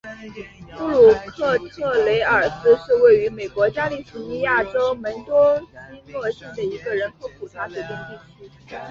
布鲁克特雷尔斯是位于美国加利福尼亚州门多西诺县的一个人口普查指定地区。